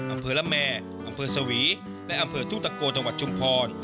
อำเภอละแม่อำเภอสวีและอำเภอทุ่งตะโกจังหวัดชุมพร